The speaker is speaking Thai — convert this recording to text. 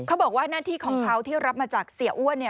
เขาบอกว่าหน้าที่ของเขาที่รับมาจากเสียอ้วน